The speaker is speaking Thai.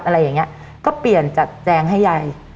อะไรอย่างนี้ก็เปลี่ยนจัดแจงให้ยาย